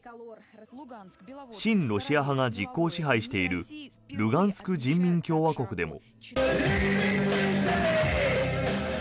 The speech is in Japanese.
親ロシア派が実効支配しているルガンスク人民共和国でも。